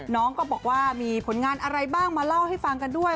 น้องก็บอกว่ามีผลงานอะไรบ้างมาเล่าให้ฟังกันด้วย